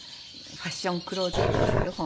『ファッションクローゼット』っていう本。